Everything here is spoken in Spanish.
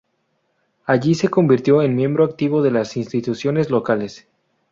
Allí se convirtió en miembro activo de las instituciones locales.